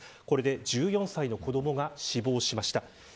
これで１４歳の子どもが死亡しました。